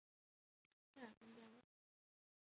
塞尔方丹。